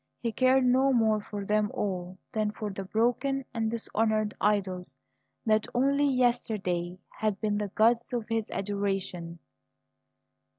He cared no more for them all than for the broken and dishonoured idols that only yesterday had been the gods of his adoration.